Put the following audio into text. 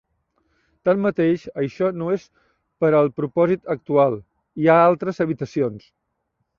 Tanmateix, això no és per al propòsit actual. Hi ha altres habitacions.